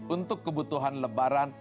untuk kebutuhan lebaran